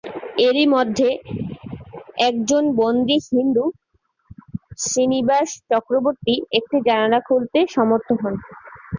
এরই মধ্যে, একজন বন্দী হিন্দু, শ্রীনিবাস চক্রবর্তী একটি জানালা খুলতে সমর্থ হন।